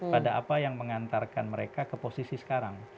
pada apa yang mengantarkan mereka ke posisi sekarang